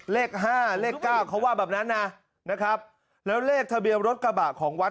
เลขห้าเลขเก้าเขาว่าแบบนั้นนะนะครับแล้วเลขทะเบียนรถกระบะของวัด